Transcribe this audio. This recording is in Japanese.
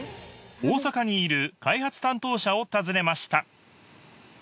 大阪にいる開発担当者を訪ねました！